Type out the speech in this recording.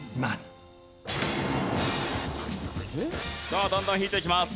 さあだんだん引いていきます。